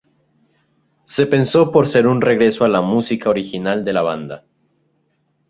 Se pensó por ser un regreso a la música original de la banda.